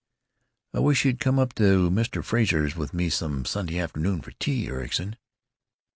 " "I wish you'd come up to Mr. Frazer's with me some Sunday afternoon for tea, Ericson."